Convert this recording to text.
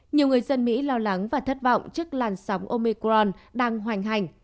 nhiều người dân mỹ lo lắng và thất vọng trước làn sóng omicron đang hoành hành